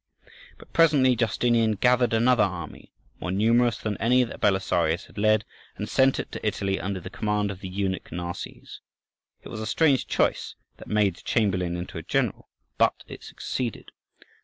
But presently Justinian gathered another army, more numerous than any that Belisarius had led, and sent it to Italy, under the command of the eunuch Narses. It was a strange choice that made the chamberlain into a general; but it succeeded.